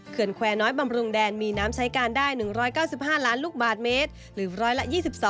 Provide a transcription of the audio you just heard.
แควร์น้อยบำรุงแดนมีน้ำใช้การได้๑๙๕ล้านลูกบาทเมตรหรือร้อยละ๒๒